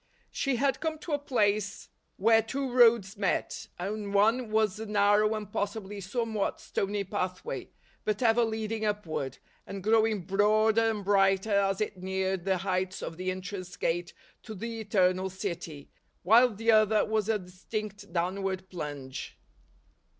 She had come to a place where two roads met, and one was a narrow and possibly somewhat stony pathway, but ever leading upward, and growing broader and brighter as it neared the heights of the entrance gate to the Eternal City; while the other was a distinct downward plunge.